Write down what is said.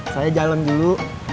saya jalan dulu